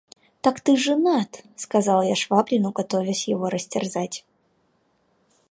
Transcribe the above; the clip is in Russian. «Так ты женат!» – сказал я Швабрину, готовяся его растерзать.